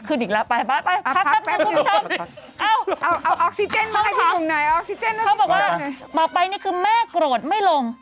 เขาบอกว่ามาไปนี่คือแม่โกรธไม่ลง